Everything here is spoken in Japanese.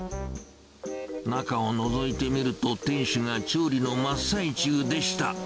中をのぞいてみると、店主が調理の真っ最中でした。